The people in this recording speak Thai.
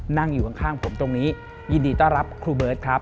นั่งอยู่ข้างผมตรงนี้ยินดีต้อนรับครูเบิร์ตครับ